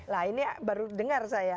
nah ini baru dengar saya